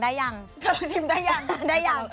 เธอลงชิมได้ยังได้ยัง